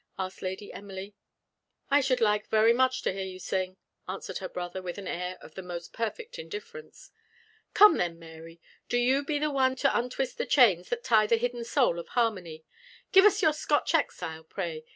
asked Lady Emily. "I should like very much to hear you sing," answered her brother, with an air of the most perfect indifference. "Come then, Mary, do you be the one to 'untwist the chains that tie the hidden soul of harmony.' Give us your Scotch Exile, pray?